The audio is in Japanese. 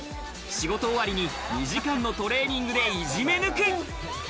仕事終わりに２時間のトレーニングで、いじめ抜く。